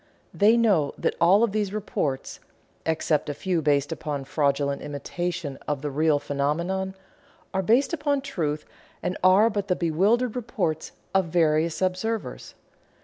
They know that all of these reports (except a few based upon fraudulent imitation of the real phenomenon) are based upon truth and are but the bewildered reports of the various observers.